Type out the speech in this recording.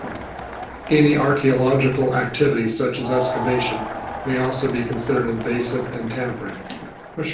Any archaeological activity, such as excavation, may also be considered invasive and tampering.